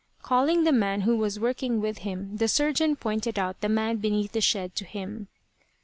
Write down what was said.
Calling the man who was working with him the surgeon pointed out the man beneath the shed to him.